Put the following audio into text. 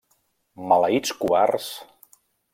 Maleïts covards!